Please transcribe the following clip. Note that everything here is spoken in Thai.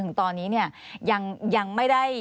ควิทยาลัยเชียร์สวัสดีครับ